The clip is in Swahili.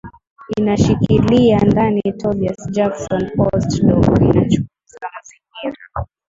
inashikilia ndani Tobias Jackson Postdoc inachunguza mazingira